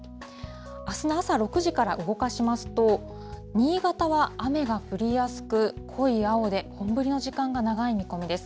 あすの朝６時から動かしますと、新潟は雨が降りやすく、濃い青で、本降りの時間が長い見込みです。